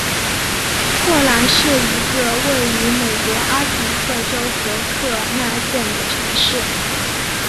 霍兰是一个位于美国阿肯色州福克纳县的城市。